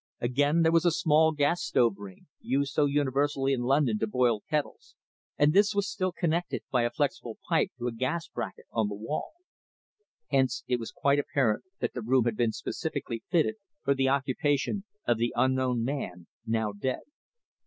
Again, there was a small gas stove ring, used so universally in London to boil kettles, and this was still connected by a flexible pipe to a gas bracket on the wall. Hence it was quite apparent that the room had been specially fitted for the occupation of the unknown man now dead.